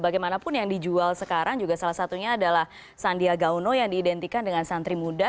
bagaimanapun yang dijual sekarang juga salah satunya adalah sandiaga uno yang diidentikan dengan santri muda